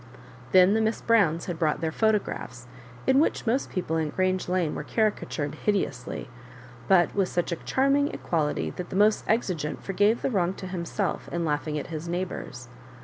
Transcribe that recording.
Then the Miss Browns had brought their photographs, in which most people in Grange Lane were carica tured hideously, but with such a charming equal ity that the most exigeani forgave the wrong to himself in laughing at his neighbours.